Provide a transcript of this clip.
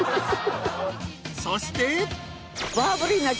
そして。